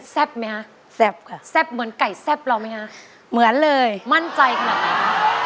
ไหมคะแซ่บค่ะแซ่บเหมือนไก่แซ่บเราไหมคะเหมือนเลยมั่นใจขนาดไหนคะ